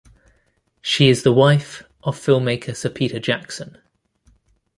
She is the wife of filmmaker Sir Peter Jackson.